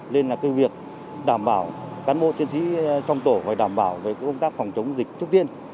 nên là cái việc đảm bảo cán bộ chiến sĩ trong tổ phải đảm bảo về công tác phòng chống dịch trước tiên